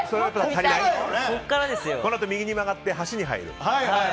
このあと右に曲がって橋に入る。